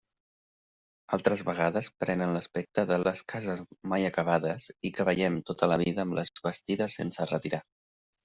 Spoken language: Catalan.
Altres vegades prenen l'aspecte de les cases mai acabades i que veiem tota la vida amb les bastides sense retirar.